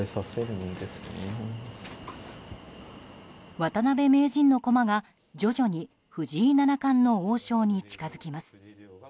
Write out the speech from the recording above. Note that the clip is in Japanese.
渡辺名人の駒が徐々に藤井七冠の王将に近づきます。